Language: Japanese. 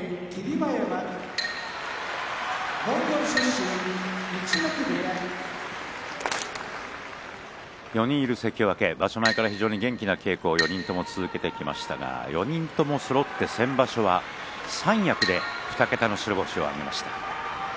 馬山モンゴル出身陸奥部屋４人いる関脇、場所前から非常に元気な稽古を４人とも続けてましたが９人そろって先場所は三役で２桁の白星を挙げました。